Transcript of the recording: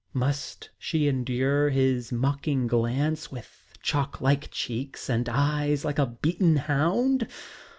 Must she endure his mocking glance with chalk like cheeks and eyes like a beaten hound?